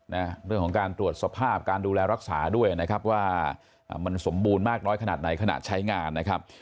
นะเรื่องของการตรวจสภาพการดูแลรักษาด้วยนะครับว่ามันสมบูรณ์มากน้อยขนาดไหนขณะใช้งานนะครับ